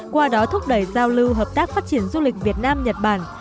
qua đó thúc đẩy giao lưu hợp tác phát triển du lịch việt nam nhật bản